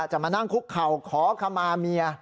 จะมานั่งคุกเข่าขอขมาเมีย